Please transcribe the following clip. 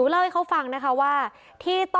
ในอำเภอศรีมหาโพธิ์จังหวัดปลาจีนบุรี